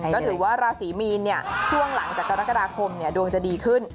ก็ถือว่าราศีมีนช่วงหลังจากกรกฎาคมดวงจะดีขึ้น